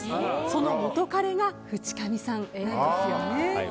その元カレが淵上さんが演じてるんですよね。